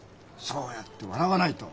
そうやって笑わないと。